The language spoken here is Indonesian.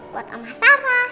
buat omah sarah